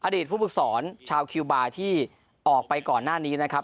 ผู้ฝึกสอนชาวคิวบาร์ที่ออกไปก่อนหน้านี้นะครับ